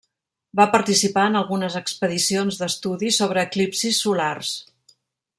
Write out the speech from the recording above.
Va participar en algunes expedicions d'estudi sobre eclipsis solars.